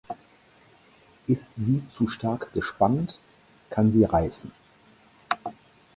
Ist sie zu stark gespannt, kann sie reißen.